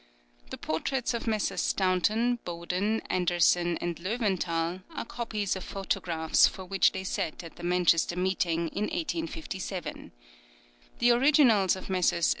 The portraits of Messrs. Staunton, Boden, Anderssen, and Löwenthal, are copies of photographs, for which they sat at the Manchester Meeting, in 1857. The originals of Messrs.